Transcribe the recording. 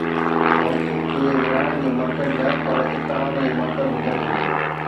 مسجد کي ورهائڻ جو مرڪز نه پر اتحاد جو مرڪز هجڻ گهرجي.